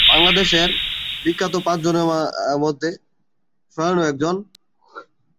জার্মানির সবচেয়ে গুরুত্বপূর্ণ stock market Frankfurt stock exchange.